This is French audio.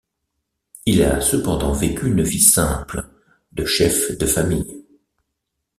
Il a cependant vécu une vie simple, de chef de famille.